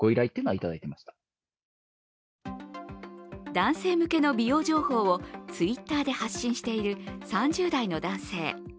男性向けの美容情報をＴｗｉｔｔｅｒで発信している３０代の男性。